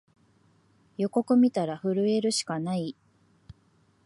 予告みたら震えるしかない